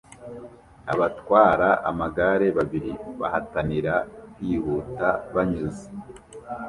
Abatwara amagare babiri bahatanira kwihuta banyuze